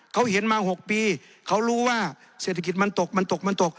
เขาเห็นมา๖ปีเขารู้ว่าเศรษฐกิจมันตกมันตกมันตก